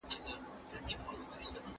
صبر د مومن لپاره یوه لویه وسله ده.